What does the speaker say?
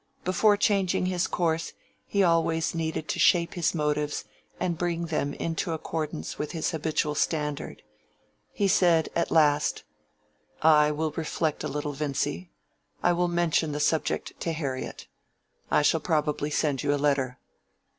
Before changing his course, he always needed to shape his motives and bring them into accordance with his habitual standard. He said, at last— "I will reflect a little, Vincy. I will mention the subject to Harriet. I shall probably send you a letter."